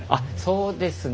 そうですね。